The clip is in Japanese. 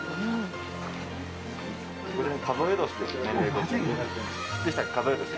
これ数え年ですね。